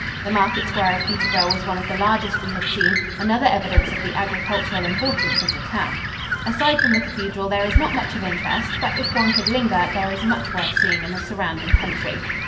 The market square of Peterborough was one of the largest we had seen another evidence of the agricultural importance of the town. Aside from the cathedral there is not much of interest, but if one could linger there is much worth seeing in the surrounding country.